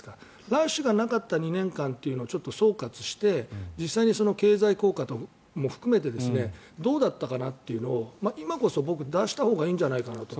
ラッシュがなかった２年間をちょっと総括して実際に経済効果とかも含めてどうだったのかというのを今こそ僕は、出したほうがいいんじゃないかなと。